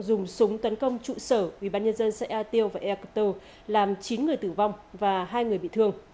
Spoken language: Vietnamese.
dùng súng tấn công trụ sở ủy ban nhân dân hai xã ea tiêu và ea cơ tư làm chín người tử vong và hai người bị thương